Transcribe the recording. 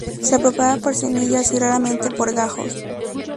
Se propaga por semillas y más raramente por gajos.